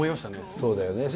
そうだよね。